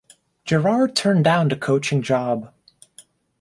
Gerard turned down the coaching job.